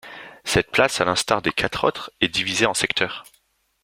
Cette plage, à l'instar des quatre autres, est divisée en secteurs.